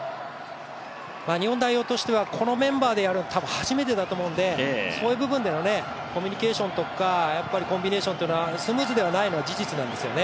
日本代表としてはこのメンバーでやるの多分初めてだと思うんでそういう部分での、コミュニケーションとかコンビネーションというのがスムーズでないのは事実なんです。